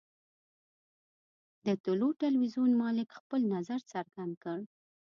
د طلوع ټلویزیون مالک خپل نظر څرګند کړ.